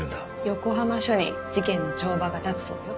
横浜署に事件の帳場が立つそうよ。